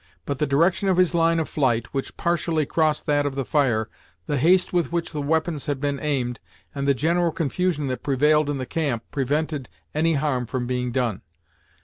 But the direction of his line of flight, which partially crossed that of the fire, the haste with which the weapons had been aimed, and the general confusion that prevailed in the camp prevented any harm from being done.